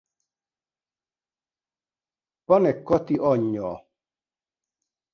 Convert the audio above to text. Panek Kati anyja.